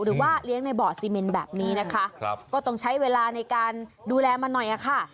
หรือว่าเลี้ยงในบ่อซีเมนแบบนี้นะคะก็ต้องใช้เวลาในการดูแลมันหน่อยอะค่ะ